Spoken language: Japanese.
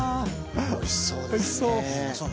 おいしそう。